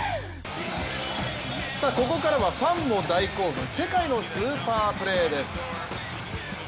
ここからはファンも大興奮、世界のスーパープレーです。